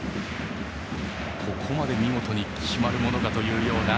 ここまで見事に決まるかというような。